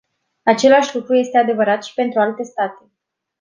Același lucru este adevărat și pentru alte state.